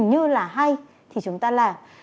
hình như là hay thì chúng ta làm